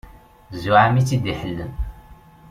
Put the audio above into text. Zzuɛama i tt-id-iḥellen.